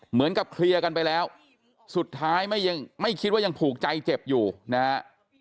เหมือนกับเคลียร์กันไปแล้วสุดท้ายไม่ยังไม่คิดว่ายังผูกใจเจ็บอยู่นะฮะ